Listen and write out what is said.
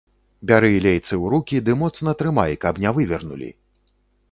Бяры лейцы ў рукі ды моцна трымай, каб не вывернулі!